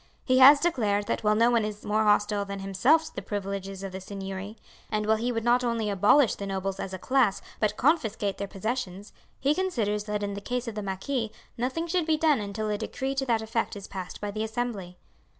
He has declared that while no one is more hostile than himself to the privileges of seigneury, and while he would not only abolish the nobles as a class but confiscate their possessions, he considers that in the case of the marquis nothing should be done until a decree to that effect is passed by the Assembly.